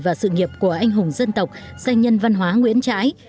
và sự nghiệp của anh hùng dân tộc danh nhân văn hóa nguyễn trãi